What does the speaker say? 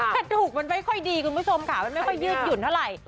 กระดูกมันไม่ค่อยดีคุณผู้ชมค่ะมันไม่ค่อยยืดหยุ่นเท่าไหร่